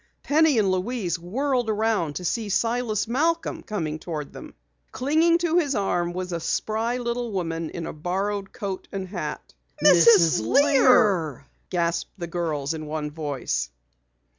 Penny and Louise whirled around to see Silas Malcom coming toward them. Clinging to his arm was a spry little woman in a borrowed coat and hat. "Mrs. Lear!" gasped the girls in one voice.